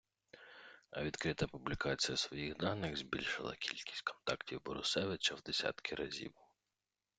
А відкрита публікація своїх даних збільшила кількість контактів Борусевича в десятки разів.